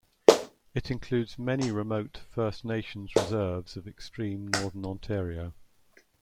It includes many remote First Nations reserves of extreme Northern Ontario.